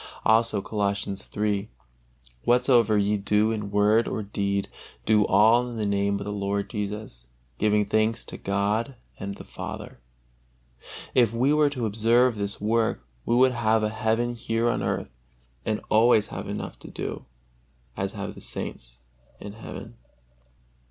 Also Colossians iii: "Whatsoever ye do in word or deed, do all in the Name of the Lord Jesus, giving thanks to God and the Father." If we were to observe this work, we would have a heaven here on earth and always have enough to do, as have the saints in heaven.